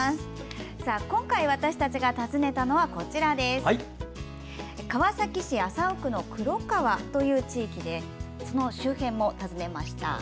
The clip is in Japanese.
今回私たちが訪ねたのは神奈川県川崎市麻生区の黒川という地域とその周辺です。